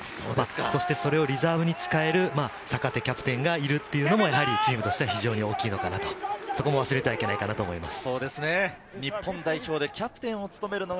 そして、それをリザーブに使える坂手キャプテンがいるというのも、チームには大きい、そこも忘れてはいけないと思います。